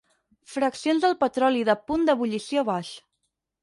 Fraccions del petroli de punt d'ebullició baix.